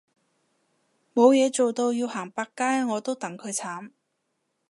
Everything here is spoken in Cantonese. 冇嘢做到要行百佳我都戥佢慘